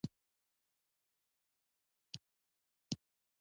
د ژبې څوکه له خوږوالي سره ډېر حساسیت لري.